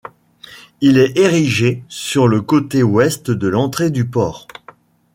Il est érigé sur le côté ouest de l'entrée du port.